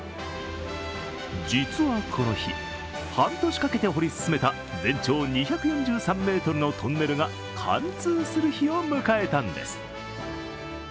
実はこの日半年かけて掘り進めた全長２４３ｍのトンネルが貫通する日を迎えたんです。